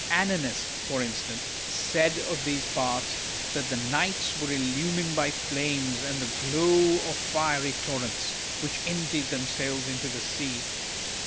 Annonus, for instance, said of these parts, that the nights were illumined by flames, and the glow of fiery torrents, which emptied themselves into the sea.